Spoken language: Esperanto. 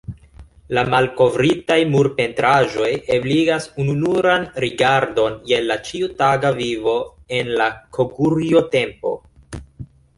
La malkovritaj murpentraĵoj ebligas ununuran rigardon je la ĉiutaga vivo en la Kogurjo-tempo.